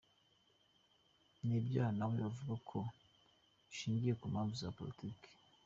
Ni ibyaha na we avuga ko bishingiye ku mpamvu za Politiki.